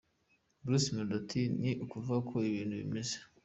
Bruce Melodie ati “Ni ukuvuga, uko ibintu bimeze.